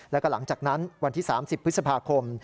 แล้วก็หลังจากนั้นวันที่๓๐พฤษภาคม